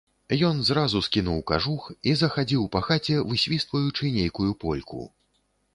Ён зразу скінуў кажух і захадзіў па хаце, высвістваючы нейкую польку.